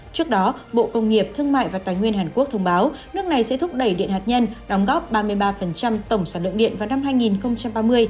trước đó bộ công nghiệp thương mại và tài nguyên hàn quốc thông báo nước này sẽ thúc đẩy điện hạt nhân đóng góp ba mươi ba tổng sản lượng điện vào năm hai nghìn ba mươi